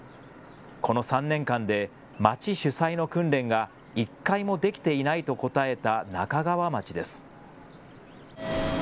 この３年間で町主催の訓練が１回もできていないと答えた那珂川町です。